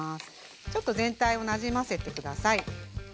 ちょっと全体をなじませて下さい。